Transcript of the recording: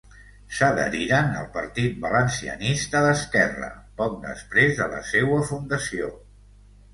S'adheriren al Partit Valencianista d'Esquerra poc després de la seua fundació.